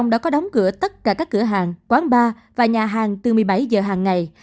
đóng cửa tất cả các cửa hàng quán bar và nhà hàng từ một mươi bảy giờ hàng ngày